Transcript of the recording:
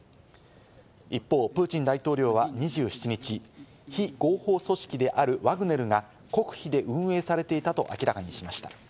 一方、プーチン大統領は２７日、非合法組織であるワグネルが国費で運営されていたと明らかにしました。